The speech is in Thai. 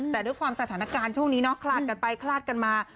แต่ด้วยความสถานการณ์ช่วงนี้เนาะคลาดกันไปคลาดกันมา